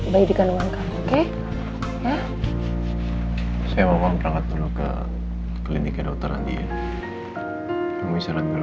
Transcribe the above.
bagaimana veterannya baru